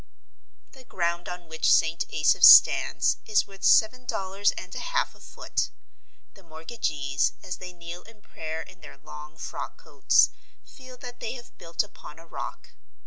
The ground on which St. Asaph's stands is worth seven dollars and a half a foot. The mortgagees, as they kneel in prayer in their long frock coats, feel that they have built upon a rock.